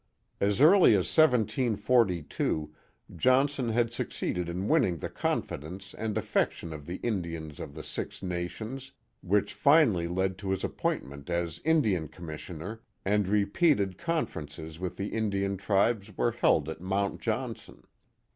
'* As early as 1742 Johnson had succeeded in winning the confidence and affection of the Indians of the Six Nations, which finally led to his appointment as Indian Commissioner, and repeated conferences with the Indian tribes were held at Mount Johnson.